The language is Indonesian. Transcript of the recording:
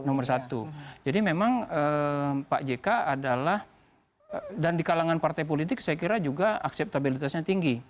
nomor satu jadi memang pak jk adalah dan di kalangan partai politik saya kira juga akseptabilitasnya tinggi